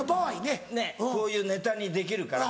ねっこういうネタにできるから。